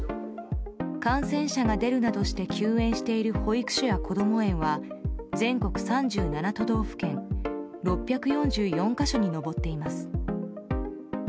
感染者が出るなどして休園している保育所やこども園は全国３７都道府県６４４か所に上っています。